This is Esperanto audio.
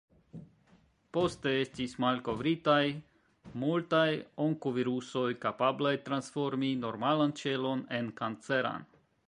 Poste estis malkovritaj multaj onkovirusoj, kapablaj transformi normalan ĉelon en kanceran.